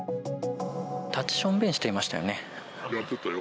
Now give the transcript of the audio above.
立ちしょんべんしていましたやってたよ。